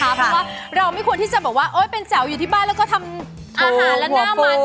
เพราะว่าเราไม่ควรที่จะบอกว่าเป็นแจ๋วอยู่ที่บ้านแล้วก็ทำอาหารและหน้ามัน